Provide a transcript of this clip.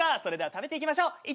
それでは食べていきましょう。